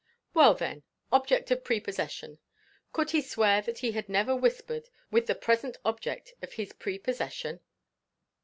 Well, then, object of prepossession. Could he swear that he had never whispered with the present object of his prepossession?